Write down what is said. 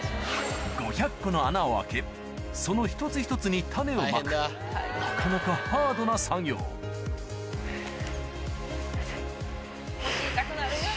５００個の穴を開けその一つ一つに種をまくなかなかハードな作業ふぅ。